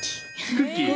クッキー？